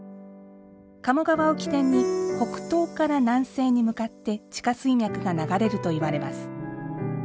鴨川を起点に、北東から南西に向かって地下水脈が流れると言われます。